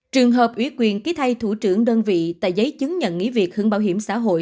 trường hợp ủy quyền ký thay thủ trưởng đơn vị tại giấy chứng nhận nghỉ việc hưởng bảo hiểm xã hội